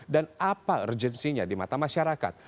apa urgensinya di mata masyarakat